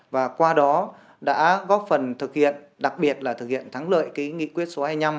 và qua đó đã góp phần thực hiện đặc biệt là thực hiện thắng lợi nghị quyết số hai mươi năm